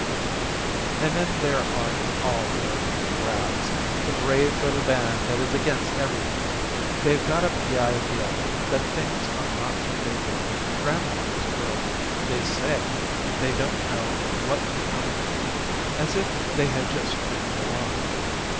And then there are the All American Crabs; The Brave Little Band that is Against Everything. They have got up the idea That things are not what they were when Grandma was a girl. They say that they don't know what we're coming to, As if they had just written the line.